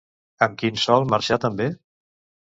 Amb qui sol marxar també?